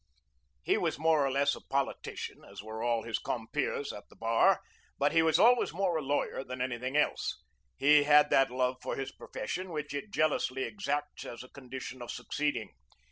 He was more or less a politician, as were all his compeers at the bar, but he was always more a lawyer than anything else. He had that love for his profession which it jealously exacts as a condition of succeeding.